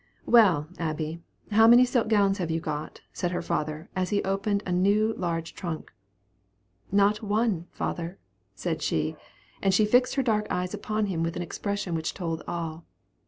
"Well, Abby, how many silk gowns have you got?" said her father, as he opened a large new trunk. "Not one, father," said she; and she fixed her dark eyes upon him with an expression which told all.